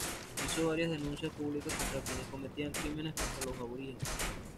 Hizo varias denuncias públicas contra quienes cometían crímenes contra los aborígenes.